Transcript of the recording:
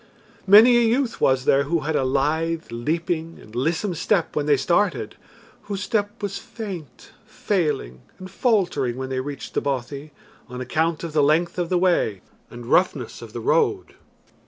Many a youth was there who had a lithe leaping and lissom step when they started whose step was faint, failing, and faltering when they reached the bothy on account of the length of the way and roughness of the road.